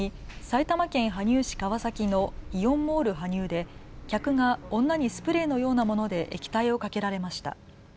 埼玉県羽生市川崎のイオンモール羽生で客が女にスプレーのようなもので液体をかけられました。